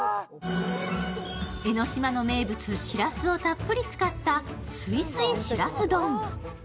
江の島の名物、しらすをたっぷり使ったすいすいしらす丼。